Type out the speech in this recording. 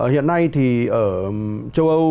hiện nay thì ở châu âu